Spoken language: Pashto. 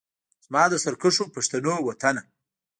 زما د سرکښو پښتنو وطنه